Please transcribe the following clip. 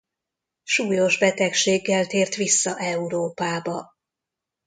Súlyos betegséggel tért vissza Európába.